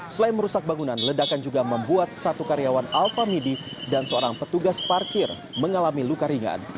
selain merusak bangunan ledakan juga membuat satu karyawan alfa midi dan seorang petugas parkir mengalami luka ringan